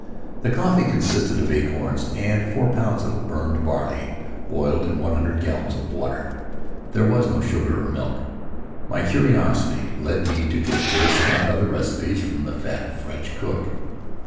The coffee consisted of acorns and four pounds of burned barley boiled in one hundred gallons of water. There was no sugar or milk. My curiosity led me later to get this and other recipes from the fat French cook.